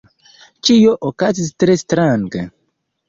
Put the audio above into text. Ĉio okazis tre strange.